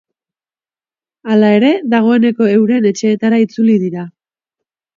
Hala ere, dagoeneko euren etxeetara itzuli dira.